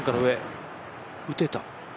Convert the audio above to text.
打てた。